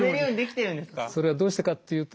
それはどうしてかっていうと